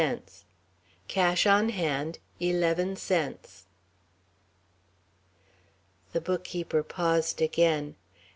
75 Cash on hand: 11 cents. The bookkeeper paused again.